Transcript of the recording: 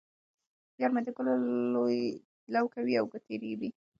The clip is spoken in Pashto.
یار مې د ګلو لو کوي او ګوتې رېبي.